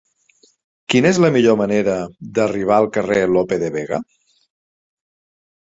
Quina és la millor manera d'arribar al carrer de Lope de Vega?